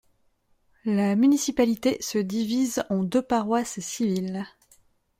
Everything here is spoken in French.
La municipalité se divise en deux paroisses civiles.